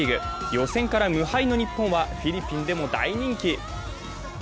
予選から無敗の日本は、フィリピンでも大人気。